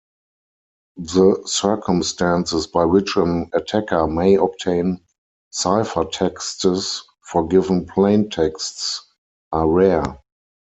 The circumstances by which an attacker may obtain ciphertexts for given plaintexts are rare.